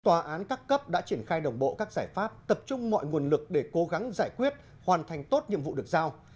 tòa án các cấp đã triển khai đồng bộ các giải pháp tập trung mọi nguồn lực để cố gắng giải quyết hoàn thành tốt nhiệm vụ được giao